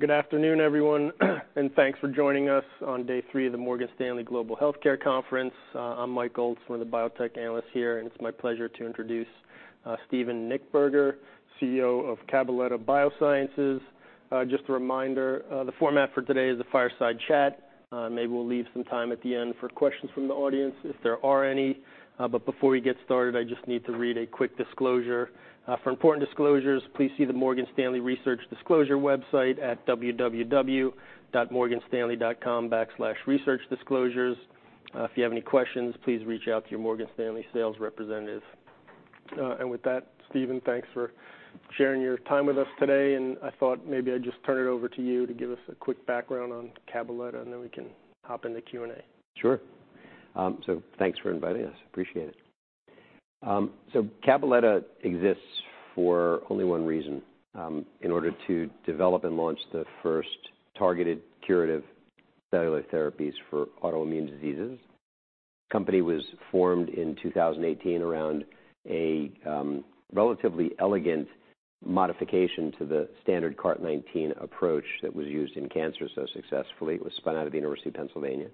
Good afternoon, everyone, and thanks for joining us on day three of the Morgan Stanley Global Healthcare Conference. I'm Mike Ulz, one of the biotech analysts here, and it's my pleasure to introduce Steven Nichtberger, CEO of Cabaletta Bio. Just a reminder, the format for today is a fireside chat. Maybe we'll leave some time at the end for questions from the audience, if there are any. But before we get started, I just need to read a quick disclosure. "For important disclosures, please see the Morgan Stanley Research Disclosure website at www.morganstanley.com/researchdisclosures. If you have any questions, please reach out to your Morgan Stanley sales representative." And with that, Steven, thanks for sharing your time with us today, and I thought maybe I'd just turn it over to you to give us a quick background on Cabaletta, and then we can hop into Q&A. Sure. So thanks for inviting us. Appreciate it. So Cabaletta exists for only one reason, in order to develop and launch the first targeted curative cellular therapies for autoimmune diseases. The company was formed in 2018 around a relatively elegant modification to the standard CAR-T19 approach that was used in cancer so successfully. It was spun out of the University of Pennsylvania.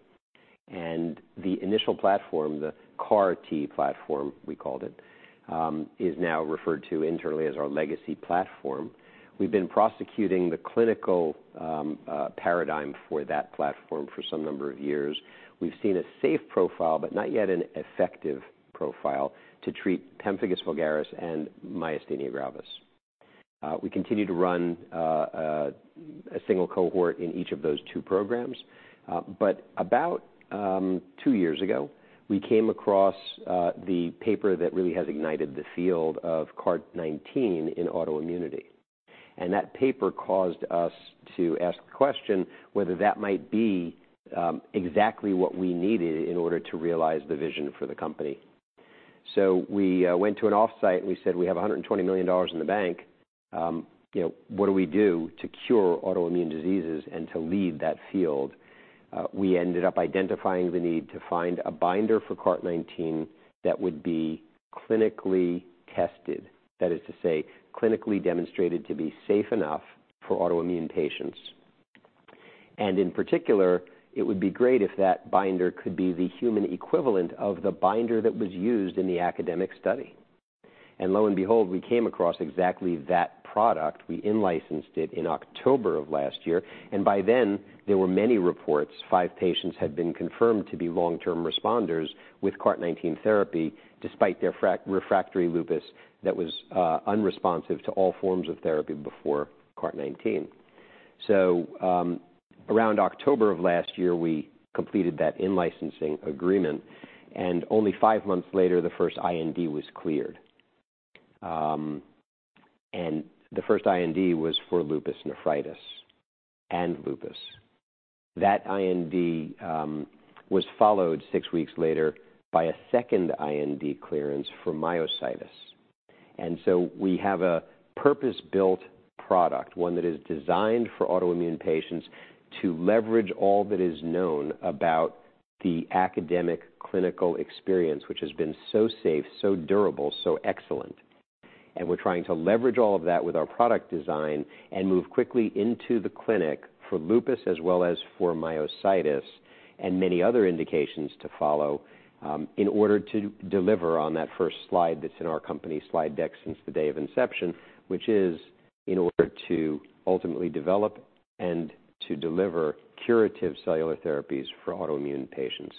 The initial platform, the CAR-T platform, we called it, is now referred to internally as our legacy platform. We've been prosecuting the clinical paradigm for that platform for some number of years. We've seen a safe profile, but not yet an effective profile, to treat pemphigus vulgaris and myasthenia gravis. We continue to run a single cohort in each of those two programs. But about two years ago, we came across the paper that really has ignited the field of CAR-T19 in autoimmunity. And that paper caused us to ask the question whether that might be exactly what we needed in order to realize the vision for the company. So we went to an offsite, and we said: We have $120 million in the bank, you know, what do we do to cure autoimmune diseases and to lead that field? We ended up identifying the need to find a binder for CAR-T19 that would be clinically tested. That is to say, clinically demonstrated to be safe enough for autoimmune patients. And in particular, it would be great if that binder could be the human equivalent of the binder that was used in the academic study. And lo and behold, we came across exactly that product. We in-licensed it in October of last year, and by then there were many reports, five patients had been confirmed to be long-term responders with CAR-T19 therapy, despite their refractory lupus that was unresponsive to all forms of therapy before CAR-T19. So, around October of last year, we completed that in-licensing agreement, and only five months later, the first IND was cleared. And the first IND was for lupus nephritis and lupus. That IND was followed six weeks later by a second IND clearance for myositis. And so we have a purpose-built product, one that is designed for autoimmune patients, to leverage all that is known about the academic clinical experience, which has been so safe, so durable, so excellent. We're trying to leverage all of that with our product design and move quickly into the clinic for lupus as well as for myositis and many other indications to follow, in order to deliver on that first slide that's in our company slide deck since the day of inception, which is in order to ultimately develop and to deliver curative cellular therapies for autoimmune patients.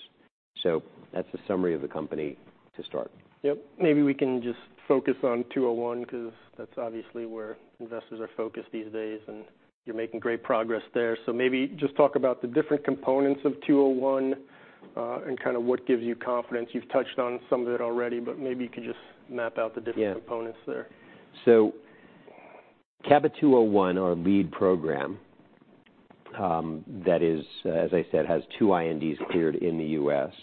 So that's a summary of the company to start. Yep. Maybe we can just focus on 201, 'cause that's obviously where investors are focused these days, and you're making great progress there. So maybe just talk about the different components of 201, and kind of what gives you confidence. You've touched on some of it already, but maybe you could just map out the different- Yeah... components there. So CABA-201, our lead program, that is, as I said, has two INDs cleared in the U.S.,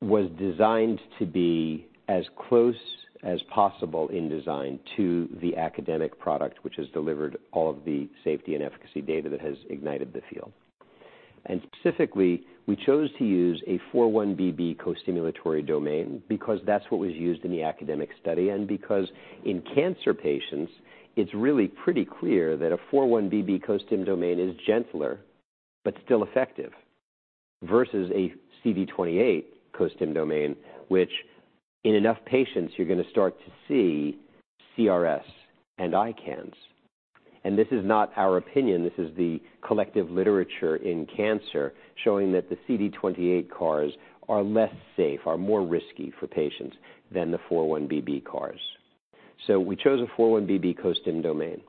was designed to be as close as possible in design to the academic product, which has delivered all of the safety and efficacy data that has ignited the field. And specifically, we chose to use a 4-1BB costimulatory domain because that's what was used in the academic study, and because in cancer patients, it's really pretty clear that a 4-1BB costim domain is gentler but still effective, versus a CD28 costim domain, which, in enough patients, you're going to start to see CRS and ICANS. And this is not our opinion, this is the collective literature in cancer, showing that the CD28 CARs are less safe, are more risky for patients than the 4-1BB CARs. So we chose a 4-1BB costim domain.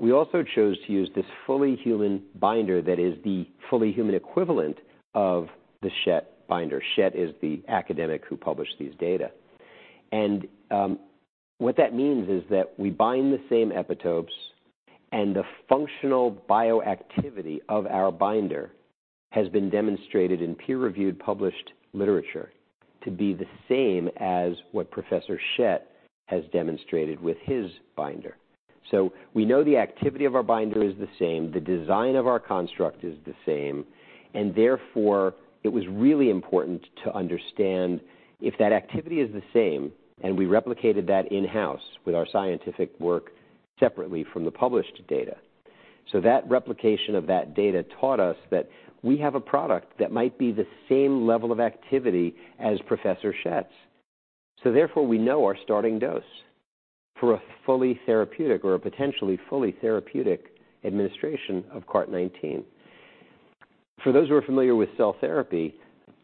We also chose to use this fully human binder that is the fully human equivalent of the Schett binder. Schett is the academic who published these data. And, what that means is that we bind the same epitopes, and the functional bioactivity of our binder has been demonstrated in peer-reviewed, published literature to be the same as what Professor Schett has demonstrated with his binder. So we know the activity of our binder is the same, the design of our construct is the same, and therefore, it was really important to understand if that activity is the same, and we replicated that in-house with our scientific work separately from the published data.... So that replication of that data taught us that we have a product that might be the same level of activity as Professor Schett's. So therefore, we know our starting dose for a fully therapeutic or a potentially fully therapeutic administration of CAR-T19. For those who are familiar with cell therapy,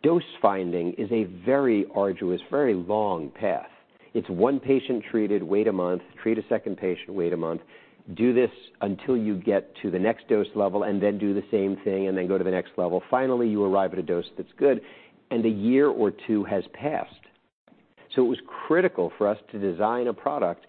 dose finding is a very arduous, very long path. It's one patient treated, wait a month, treat a second patient, wait a month. Do this until you get to the next dose level, and then do the same thing, and then go to the next level. Finally, you arrive at a dose that's good, and a year or two has passed. So it was critical for us to design a product that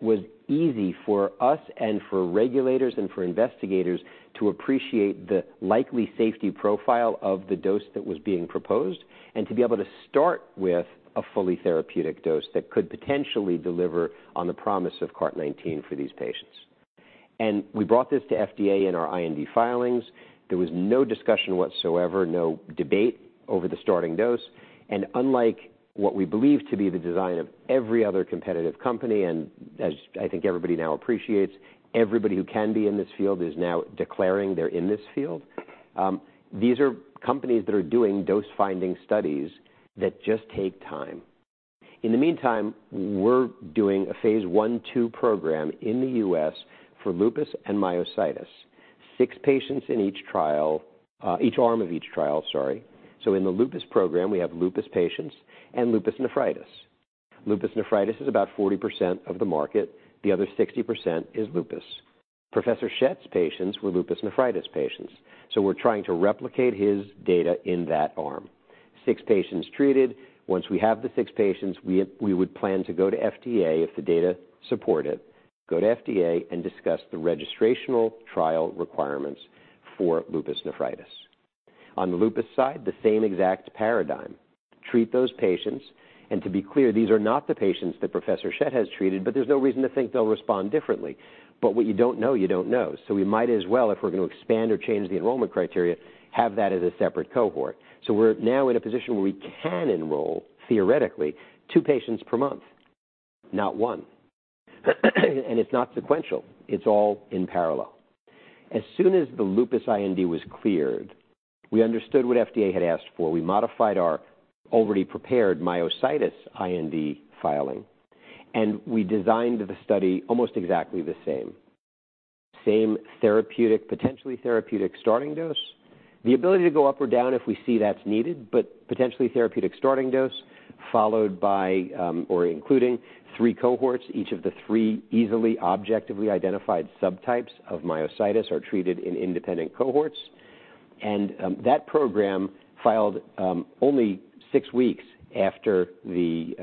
was easy for us and for regulators and for investigators to appreciate the likely safety profile of the dose that was being proposed, and to be able to start with a fully therapeutic dose that could potentially deliver on the promise of CAR-T19 for these patients. We brought this to FDA in our IND filings. There was no discussion whatsoever, no debate over the starting dose. Unlike what we believe to be the design of every other competitive company, and as I think everybody now appreciates, everybody who can be in this field is now declaring they're in this field. These are companies that are doing dose-finding studies that just take time. In the meantime, we're doing a phase 1, 2 program in the U.S. for lupus and myositis. six patients in each trial, each arm of each trial, sorry. In the lupus program, we have lupus patients and lupus nephritis. Lupus nephritis is about 40% of the market. The other 60% is lupus. Professor Schett's patients were lupus nephritis patients, so we're trying to replicate his data in that arm. six patients treated. Once we have the six patients, we would plan to go to FDA if the data support it, go to FDA and discuss the registrational trial requirements for lupus nephritis. On the lupus side, the same exact paradigm: treat those patients. To be clear, these are not the patients that Professor Schett has treated, but there's no reason to think they'll respond differently. What you don't know, you don't know, so we might as well, if we're going to expand or change the enrollment criteria, have that as a separate cohort. We're now in a position where we can enroll, theoretically, two patients per month, not one, and it's not sequential, it's all in parallel. As soon as the lupus IND was cleared, we understood what FDA had asked for. We modified our already prepared myositis IND filing, and we designed the study almost exactly the same. Same therapeutic, potentially therapeutic starting dose, the ability to go up or down if we see that's needed, but potentially therapeutic starting dose, followed by, or including three cohorts. Each of the three easily, objectively identified subtypes of myositis are treated in independent cohorts, and, that program filed, only six weeks after the...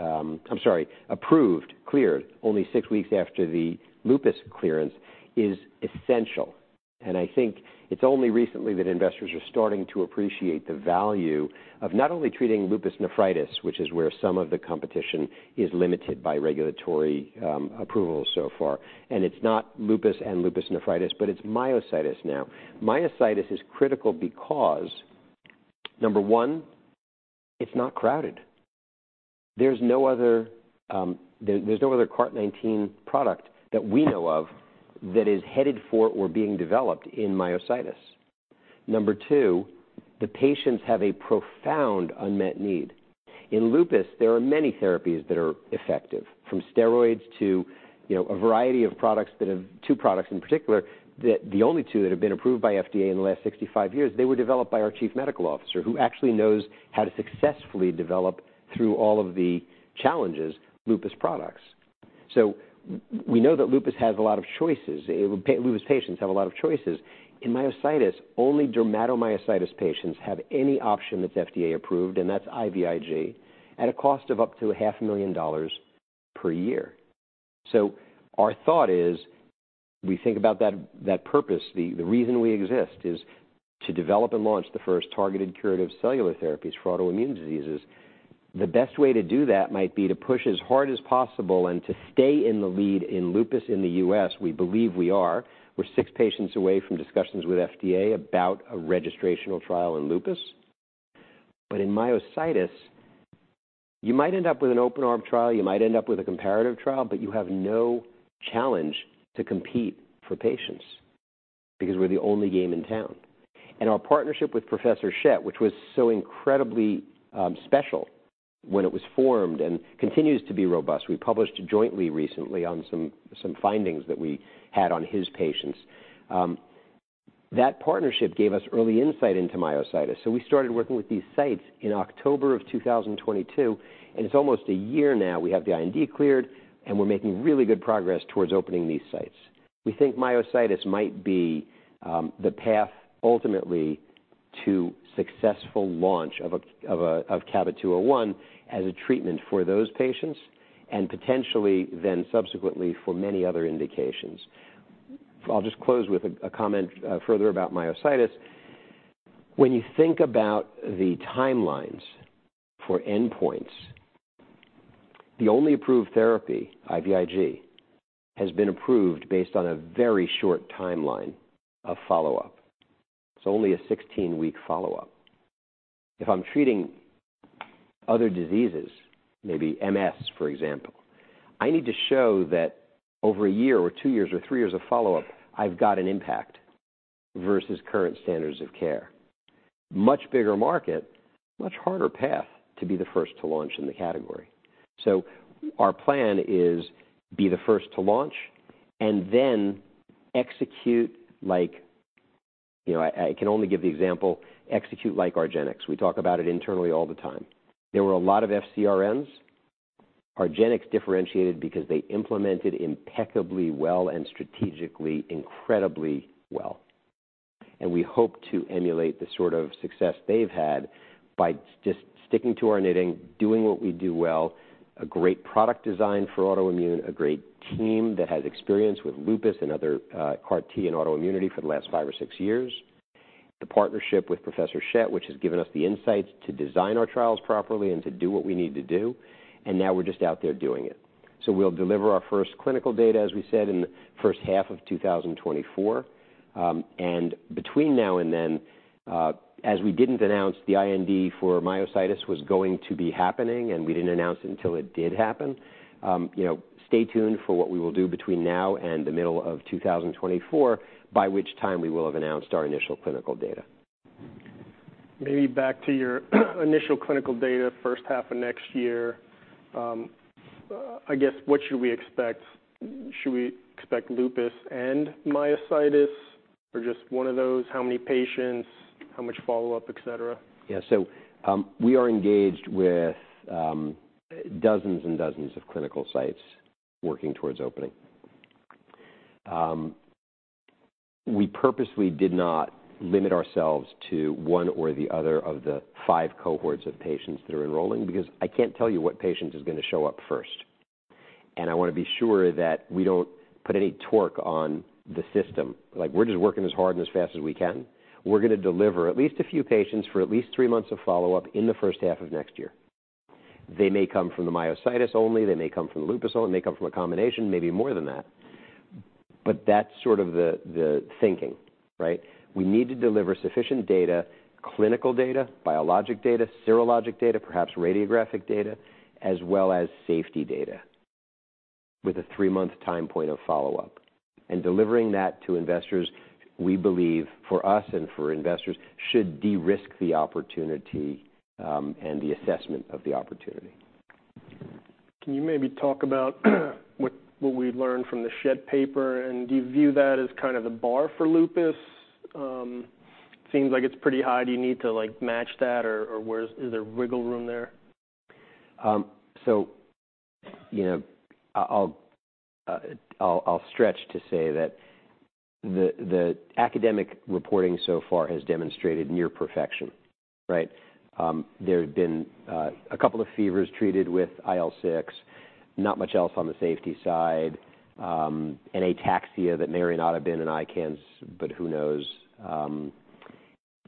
I'm sorry, approved, cleared only six weeks after the lupus clearance, is essential. And I think it's only recently that investors are starting to appreciate the value of not only treating lupus nephritis, which is where some of the competition is limited by regulatory, approval so far. And it's not lupus and lupus nephritis, but it's myositis now. Myositis is critical because, number one, it's not crowded. There's no other CAR-T19 product that we know of that is headed for or being developed in myositis. Number two, the patients have a profound unmet need. In lupus, there are many therapies that are effective, from steroids to, you know, a variety of products that have... Two products in particular, that the only two that have been approved by FDA in the last 65 years, they were developed by our Chief Medical Officer, who actually knows how to successfully develop through all of the challenges, lupus products. So we know that lupus has a lot of choices. Lupus patients have a lot of choices. In myositis, only dermatomyositis patients have any option that's FDA approved, and that's IVIG, at a cost of up to $500,000 per year. So our thought is, we think about that, that purpose, the reason we exist is to develop and launch the first targeted curative cellular therapies for autoimmune diseases. The best way to do that might be to push as hard as possible and to stay in the lead in lupus in the U.S., we believe we are. We're six patients away from discussions with FDA about a registrational trial in lupus. But in myositis, you might end up with an open-arm trial, you might end up with a comparative trial, but you have no challenge to compete for patients because we're the only game in town. Our partnership with Professor Schett, which was so incredibly special when it was formed and continues to be robust. We published jointly recently on some findings that we had on his patients. That partnership gave us early insight into myositis, so we started working with these sites in October of 2022, and it's almost a year now. We have the IND cleared, and we're making really good progress towards opening these sites. We think myositis might be the path ultimately to successful launch of CABA-201 as a treatment for those patients and potentially then subsequently for many other indications. I'll just close with a comment further about myositis. When you think about the timelines for endpoints, the only approved therapy, IVIG, has been approved based on a very short timeline of follow-up. It's only a 16-week follow-up. If I'm treating other diseases, maybe MS, for example, I need to show that over a year or two years or three years of follow-up, I've got an impact versus current standards of care. Much bigger market, much harder path to be the first to launch in the category. So our plan is: be the first to launch and then execute like, you know, I can only give the example, execute like argenx. We talk about it internally all the time. There were a lot of FcRns. Argenx differentiated because they implemented impeccably well and strategically incredibly well. And we hope to emulate the sort of success they've had by just sticking to our knitting, doing what we do well, a great product design for autoimmune, a great team that has experience with lupus and other CAR T and autoimmunity for the last five or six years, the partnership with Professor Schett, which has given us the insights to design our trials properly and to do what we need to do, and now we're just out there doing it. So we'll deliver our first clinical data, as we said, in the first half of 2024. And between now and then, as we didn't announce the IND for myositis was going to be happening, and we didn't announce it until it did happen, you know, stay tuned for what we will do between now and the middle of 2024, by which time we will have announced our initial clinical data. Maybe back to your initial clinical data, first half of next year. I guess, what should we expect? Should we expect lupus and myositis, or just one of those? How many patients, how much follow-up, et cetera? Yeah. So, we are engaged with dozens and dozens of clinical sites working towards opening. We purposely did not limit ourselves to one or the other of the five cohorts of patients that are enrolling, because I can't tell you what patients is going to show up first. And I want to be sure that we don't put any torque on the system. Like, we're just working as hard and as fast as we can. We're going to deliver at least a few patients for at least three months of follow-up in the first half of next year. They may come from the myositis only, they may come from the lupus only, they may come from a combination, maybe more than that. But that's sort of the thinking, right? We need to deliver sufficient data, clinical data, biologic data, serologic data, perhaps radiographic data, as well as safety data with a three-month time point of follow-up. Delivering that to investors, we believe, for us and for investors, should de-risk the opportunity, and the assessment of the opportunity. Can you maybe talk about what we've learned from the Schett paper, and do you view that as kind of the bar for lupus? Seems like it's pretty high. Do you need to, like, match that, or where's... Is there wiggle room there? So, you know, I'll stretch to say that the academic reporting so far has demonstrated near perfection, right? There have been a couple of fevers treated with IL-6, not much else on the safety side, an ataxia that may or not have been in ICANS, but who knows?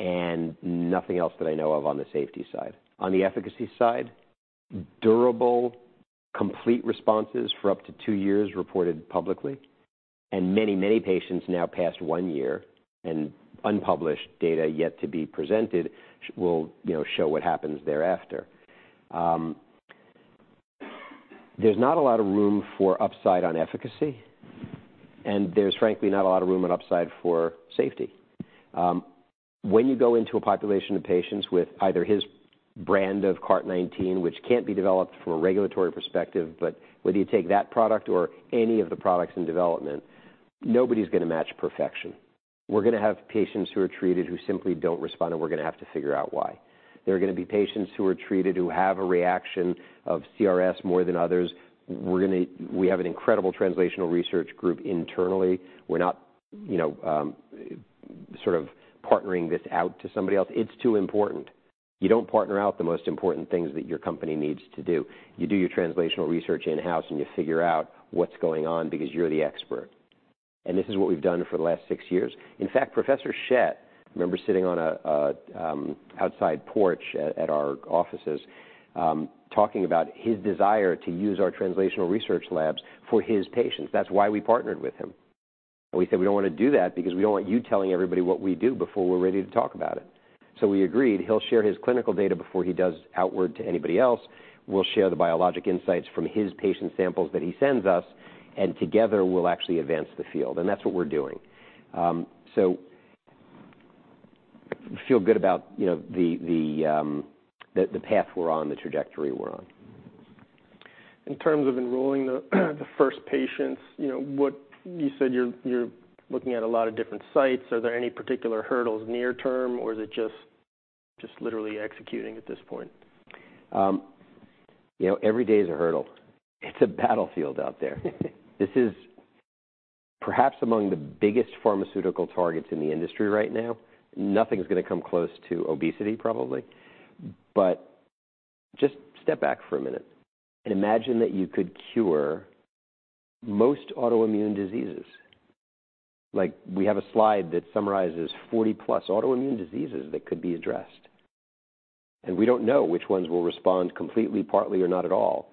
And nothing else that I know of on the safety side. On the efficacy side, durable, complete responses for up to two years reported publicly, and many, many patients now past one year, and unpublished data yet to be presented will, you know, show what happens thereafter. There's not a lot of room for upside on efficacy, and there's frankly not a lot of room on upside for safety. When you go into a population of patients with either his brand of CAR-T19, which can't be developed from a regulatory perspective, but whether you take that product or any of the products in development, nobody's going to match perfection. We're going to have patients who are treated who simply don't respond, and we're going to have to figure out why. There are going to be patients who are treated, who have a reaction of CRS more than others. We have an incredible translational research group internally. We're not, you know, sort of partnering this out to somebody else. It's too important. You don't partner out the most important things that your company needs to do. You do your translational research in-house, and you figure out what's going on because you're the expert, and this is what we've done for the last six years. In fact, Professor Schett, I remember sitting on a outside porch at our offices, talking about his desire to use our translational research labs for his patients. That's why we partnered with him. We said: "We don't want to do that because we don't want you telling everybody what we do before we're ready to talk about it." So we agreed he'll share his clinical data before he does outward to anybody else. We'll share the biologic insights from his patient samples that he sends us, and together we'll actually advance the field, and that's what we're doing. So feel good about, you know, the path we're on, the trajectory we're on. In terms of enrolling the first patients, you know, what... You said you're looking at a lot of different sites. Are there any particular hurdles near term, or is it just literally executing at this point? You know, every day is a hurdle. It's a battlefield out there. This is perhaps among the biggest pharmaceutical targets in the industry right now. Nothing's going to come close to obesity, probably. But just step back for a minute and imagine that you could cure most autoimmune diseases. Like, we have a slide that summarizes 40+ autoimmune diseases that could be addressed, and we don't know which ones will respond completely, partly, or not at all,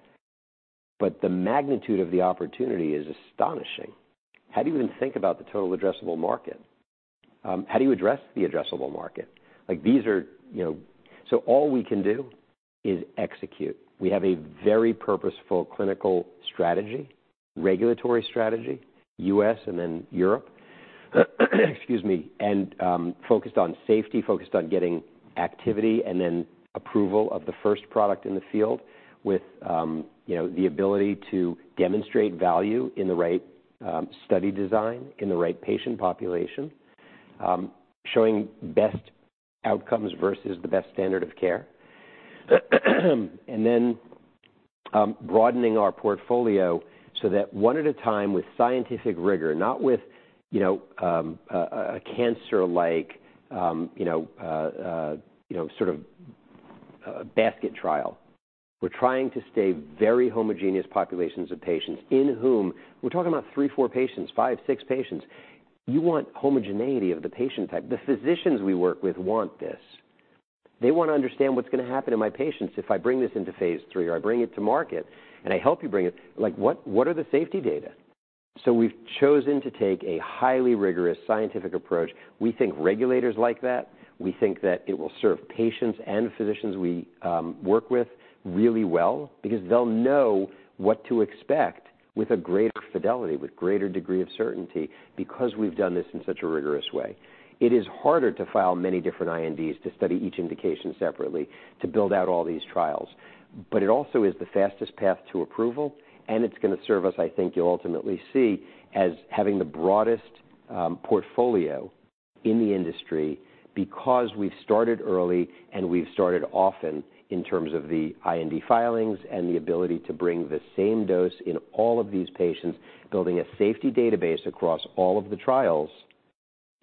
but the magnitude of the opportunity is astonishing. How do you even think about the total addressable market? How do you address the addressable market? Like, these are, you know. So all we can do is execute. We have a very purposeful clinical strategy, regulatory strategy, U.S. and then Europe. Excuse me. Focused on safety, focused on getting activity and then approval of the first product in the field with, you know, the ability to demonstrate value in the right study design, in the right patient population. Showing best outcomes versus the best standard of care. Then, broadening our portfolio so that one at a time with scientific rigor, not with, you know, a cancer-like, you know, sort of, basket trial. We're trying to stay very homogeneous populations of patients in whom we're talking about three, four patients, five, six patients. You want homogeneity of the patient type. The physicians we work with want this. They want to understand what's gonna happen to my patients if I bring this into phase 3, or I bring it to market, and I help you bring it. Like, what, what are the safety data? So we've chosen to take a highly rigorous scientific approach. We think regulators like that. We think that it will serve patients and physicians we work with really well because they'll know what to expect with a greater fidelity, with greater degree of certainty, because we've done this in such a rigorous way. It is harder to file many different INDs to study each indication separately, to build out all these trials, but it also is the fastest path to approval, and it's gonna serve us, I think you'll ultimately see, as having the broadest portfolio in the industry because we've started early and we've started often in terms of the IND filings and the ability to bring the same dose in all of these patients, building a safety database across all of the trials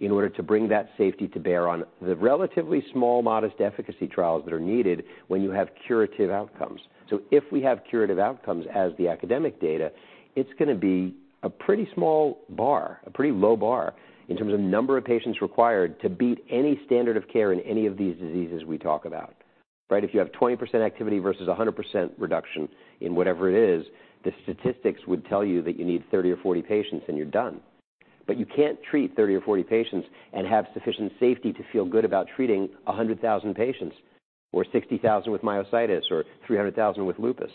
in order to bring that safety to bear on the relatively small, modest efficacy trials that are needed when you have curative outcomes. So if we have curative outcomes as the academic data, it's gonna be a pretty small bar, a pretty low bar, in terms of number of patients required to beat any standard of care in any of these diseases we talk about, right? If you have 20% activity versus a 100% reduction in whatever it is, the statistics would tell you that you need 30 or 40 patients, and you're done. But you can't treat 30 or 40 patients and have sufficient safety to feel good about treating 100,000 patients, or 60,000 with myositis, or 300,000 with lupus.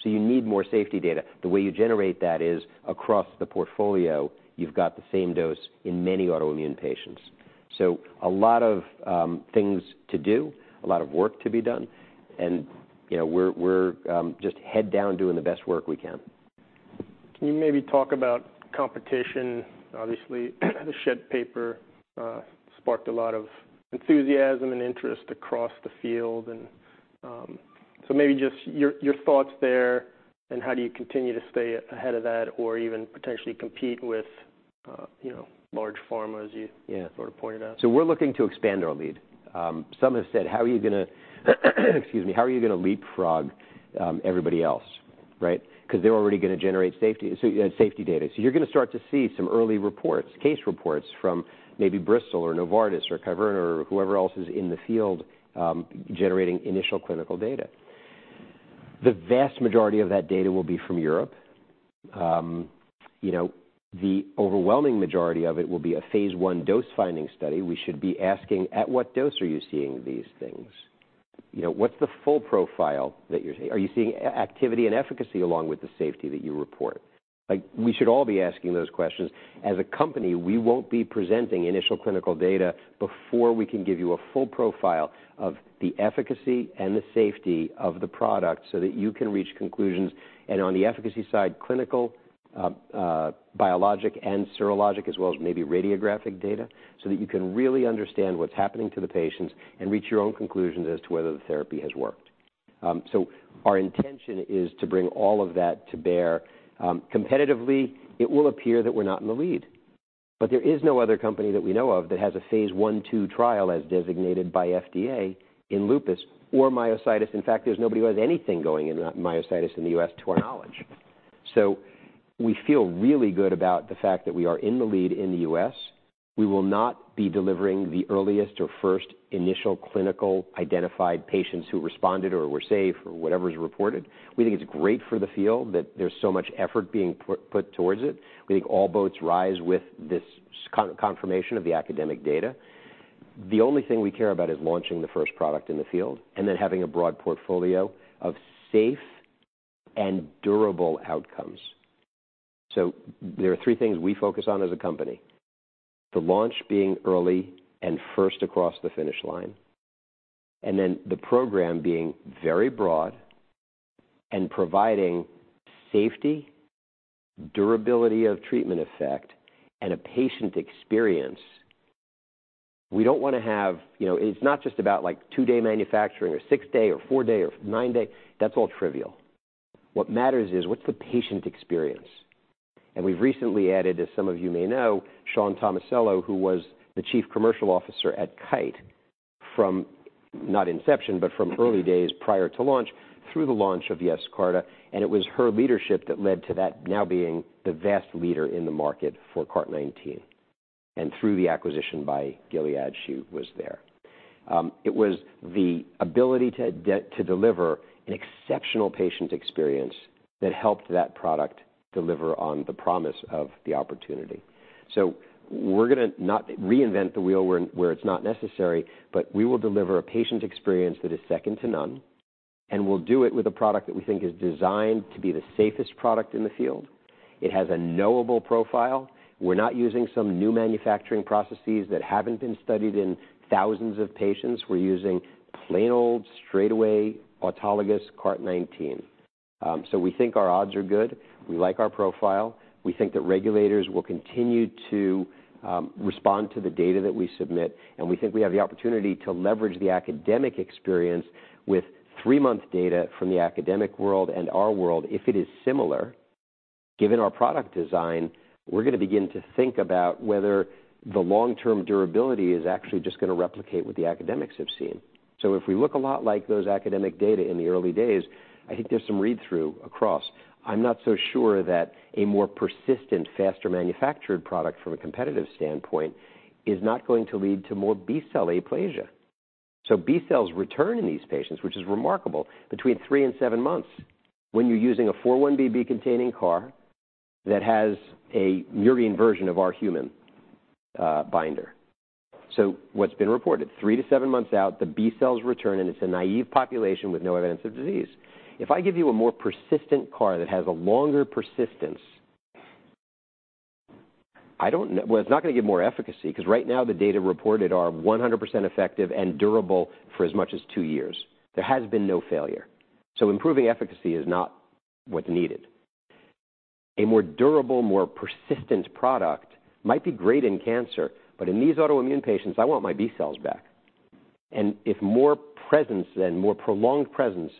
So you need more safety data. The way you generate that is across the portfolio, you've got the same dose in many autoimmune patients. So a lot of things to do, a lot of work to be done, and, you know, we're just head down, doing the best work we can. Can you maybe talk about competition? Obviously, the Schett paper sparked a lot of enthusiasm and interest across the field and... So maybe just your thoughts there, and how do you continue to stay ahead of that or even potentially compete with, you know, large pharma, as you- Yeah. sort of pointed out? So we're looking to expand our lead. Some have said, "How are you gonna, excuse me, how are you gonna leapfrog, everybody else?" Right? Because they're already gonna generate safety, so, safety data. So you're gonna start to see some early reports, case reports, from maybe Bristol or Novartis or Kyverna or whoever else is in the field, generating initial clinical data. The vast majority of that data will be from Europe. You know, the overwhelming majority of it will be a phase 1 dose-finding study. We should be asking: At what dose are you seeing these things? You know, what's the full profile that you're seeing? Are you seeing activity and efficacy along with the safety that you report? Like, we should all be asking those questions. As a company, we won't be presenting initial clinical data before we can give you a full profile of the efficacy and the safety of the product so that you can reach conclusions, and on the efficacy side, clinical, biologic and serologic, as well as maybe radiographic data, so that you can really understand what's happening to the patients and reach your own conclusions as to whether the therapy has worked. So our intention is to bring all of that to bear. Competitively, it will appear that we're not in the lead, but there is no other company that we know of that has a phase 1/2 trial, as designated by FDA, in lupus or myositis. In fact, there's nobody who has anything going in myositis in the U.S., to our knowledge. So we feel really good about the fact that we are in the lead in the U.S.. We will not be delivering the earliest or first initial clinical identified patients who responded or were safe or whatever is reported. We think it's great for the field, that there's so much effort being put towards it. We think all boats rise with this confirmation of the academic data. The only thing we care about is launching the first product in the field and then having a broad portfolio of safe and durable outcomes. So there are three things we focus on as a company: the launch being early and first across the finish line, and then the program being very broad and providing safety, durability of treatment effect, and a patient experience. We don't wanna have... You know, it's not just about like two-day manufacturing or six-day or four-day or nine-day. That's all trivial. What matters is: What's the patient experience? And we've recently added, as some of you may know, Shawn Tomasello, who was the Chief Commercial Officer at Kite from, not inception, but from early days prior to launch, through the launch of Yescarta, and it was her leadership that led to that now being the vast leader in the market for CAR T nineteen... and through the acquisition by Gilead, she was there. It was the ability to to deliver an exceptional patient experience that helped that product deliver on the promise of the opportunity. So we're gonna not reinvent the wheel where it's not necessary, but we will deliver a patient experience that is second to none, and we'll do it with a product that we think is designed to be the safest product in the field. It has a knowable profile. We're not using some new manufacturing processes that haven't been studied in thousands of patients. We're using plain old, straightaway, autologous CAR-T19. So we think our odds are good. We like our profile. We think that regulators will continue to respond to the data that we submit, and we think we have the opportunity to leverage the academic experience with three-month data from the academic world and our world, if it is similar. Given our product design, we're gonna begin to think about whether the long-term durability is actually just gonna replicate what the academics have seen. So if we look a lot like those academic data in the early days, I think there's some read-through across. I'm not so sure that a more persistent, faster manufactured product from a competitive standpoint is not going to lead to more B-cell aplasia. So B cells return in these patients, which is remarkable, between 3-7 months when you're using a 4-1BB containing CAR that has a murine version of our human binder. So what's been reported, 3-7 months out, the B cells return, and it's a naive population with no evidence of disease. If I give you a more persistent CAR that has a longer persistence, I don't know... Well, it's not gonna give more efficacy, 'cause right now, the data reported are 100% effective and durable for as much as two years. There has been no failure, so improving efficacy is not what's needed. A more durable, more persistent product might be great in cancer, but in these autoimmune patients, I want my B-cells back. And if more presence and more prolonged presence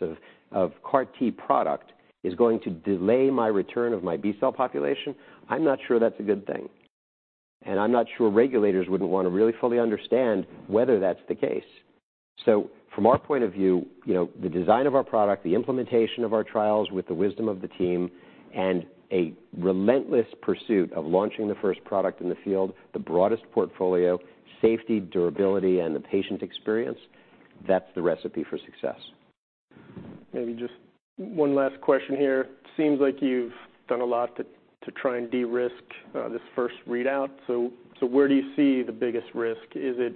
of CAR-T product is going to delay my return of my B-cell population, I'm not sure that's a good thing. And I'm not sure regulators wouldn't want to really fully understand whether that's the case. So from our point of view, you know, the design of our product, the implementation of our trials with the wisdom of the team, and a relentless pursuit of launching the first product in the field, the broadest portfolio, safety, durability, and the patient experience, that's the recipe for success. Maybe just one last question here. Seems like you've done a lot to try and de-risk this first readout. So where do you see the biggest risk? Is it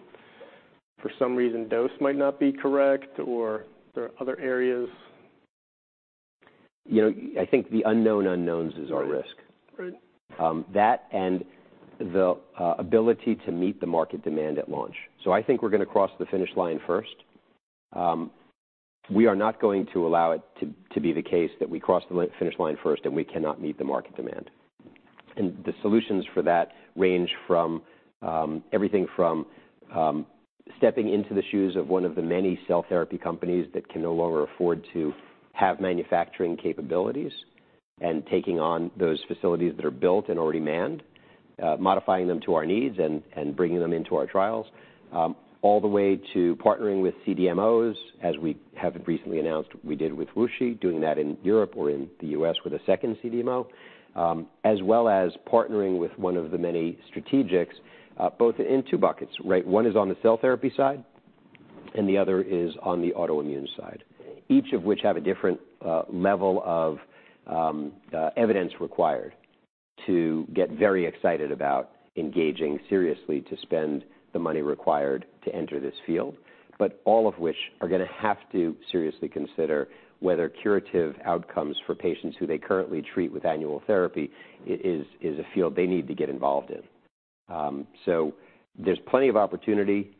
for some reason, dose might not be correct, or there are other areas? You know, I think the unknown unknowns is our risk. Right. That and the ability to meet the market demand at launch. So I think we're gonna cross the finish line first. We are not going to allow it to be the case that we cross the finish line first, and we cannot meet the market demand. And the solutions for that range from everything from stepping into the shoes of one of the many cell therapy companies that can no longer afford to have manufacturing capabilities and taking on those facilities that are built and already manned, modifying them to our needs and bringing them into our trials. All the way to partnering with CDMOs, as we have recently announced we did with Rentschler, doing that in Europe or in the U.S. with a second CDMO. As well as partnering with one of the many strategics, both in two buckets, right? One is on the cell therapy side, and the other is on the autoimmune side, each of which have a different level of evidence required to get very excited about engaging seriously to spend the money required to enter this field. But all of which are gonna have to seriously consider whether curative outcomes for patients who they currently treat with annual therapy is a field they need to get involved in. So there's plenty of opportunity.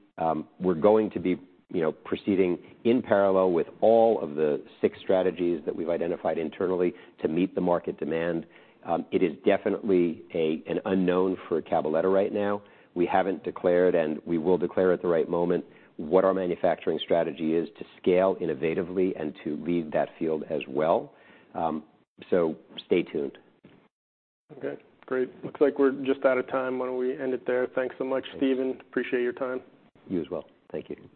We're going to be, you know, proceeding in parallel with all of the six strategies that we've identified internally to meet the market demand. It is definitely an unknown for Cabaletta right now. We haven't declared, and we will declare at the right moment, what our manufacturing strategy is to scale innovatively and to lead that field as well. So, stay tuned. Okay, great. Looks like we're just out of time. Why don't we end it there? Thanks so much, Steven. Appreciate your time. You as well. Thank you.